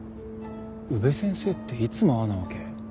宇部先生っていつもああなわけ？